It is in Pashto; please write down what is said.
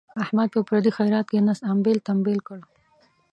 احمد په پردي خیرات کې نس امبېل تمبیل کړ.